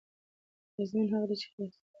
اغېزمن هغه دی چې له څه شي متأثر شي.